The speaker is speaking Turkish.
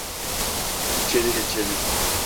İçeri geçelim.